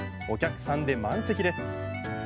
お客さんで満席です。